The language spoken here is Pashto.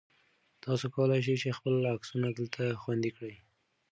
تاسو کولای شئ چې خپل عکسونه دلته خوندي کړئ.